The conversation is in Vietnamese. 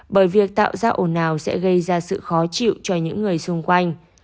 bởi việc tạo ra ổn nào sẽ gây ra sự khó chịu cho những người xung quanh